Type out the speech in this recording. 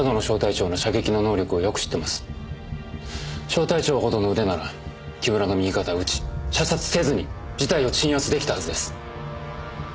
小隊長ほどの腕なら木村の右肩を撃ち射殺せずに事態を鎮圧出来たはずです。